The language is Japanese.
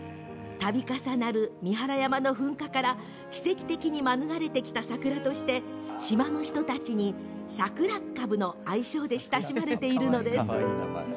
たび重なる三原山の噴火から奇跡的に免れてきた桜として島の人たちにさくらっかぶの愛称で親しまれているのです。